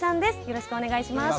よろしくお願いします。